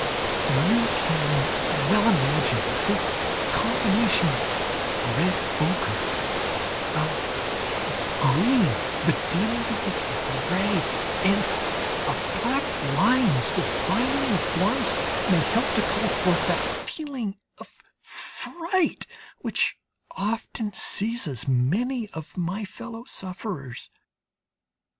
You can well imagine that this combination of red ochre, of green bedimmed with grey, and of black lines, defining the forms, may help to call forth that feeling of fright which often seizes many of my fellow sufferers.